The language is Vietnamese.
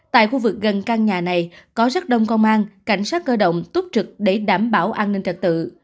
tại khu vực gần căn nhà này có rất đông công an cảnh sát cơ động tốt trực để đảm bảo an ninh trật tự